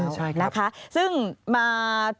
ใช่นะคะซึ่งมา